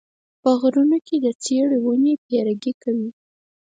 په غرونو کې د څېړو ونې پیرګي کوي